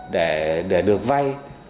để được vay